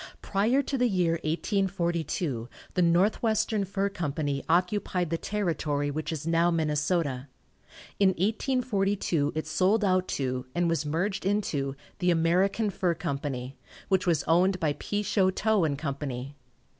Prior to the year 1842 the Northwestern Fur Company occupied the territory which is now Minnesota. In 1842 it sold out to, and was merged into, the American Fur Company, which was owned by P. Choteau & Company.